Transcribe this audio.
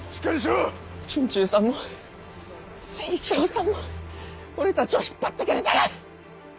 惇忠さんも成一郎さんも俺たちを引っ張ってくれたが。